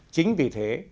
chính vì thế